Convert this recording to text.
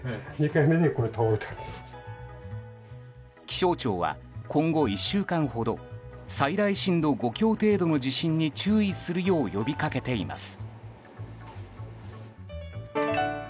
気象庁は今後１週間ほど最大震度５強程度の地震に注意するよう呼びかけています。